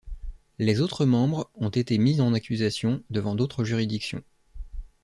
Les autres membres ont été mis en accusation devant d'autres juridictions.